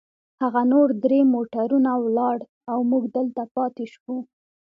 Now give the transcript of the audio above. هغه نور درې موټرونه ولاړل، او موږ دلته پاتې شوو.